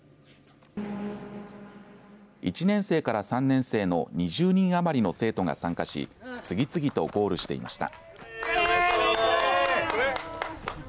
１年生から３年生の２０人余りの生徒が参加し次々とゴールしていました。